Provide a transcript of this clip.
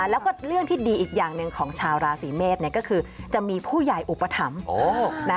แล้วก็เรื่องที่ดีอีกอย่างหนึ่งของชาวราศีเมษก็คือจะมีผู้ใหญ่อุปถัมภ์